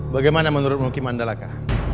bagaimana menurut mnuki mandalaka